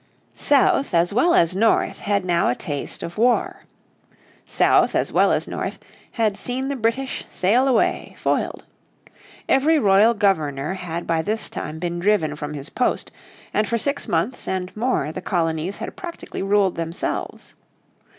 South as well as north had now had a taste of war. South as well as north had seen the British sail away, foiled. Every royal governor had by this time been driven from his post, and for six months and more the colonies had practically ruled themselves.